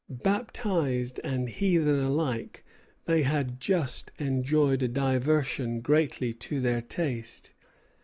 Baptized and heathen alike, they had just enjoyed a diversion greatly to their taste.